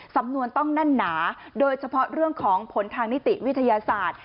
สำนวนต้องแน่นหนาโดยเฉพาะเรื่องของผลทางนิติวิทยาศาสตร์